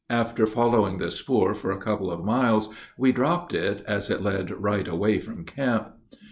After following the spoor for a couple of miles, we dropped it, as it led right away from camp.